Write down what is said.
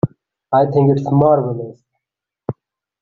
I think it's marvelous.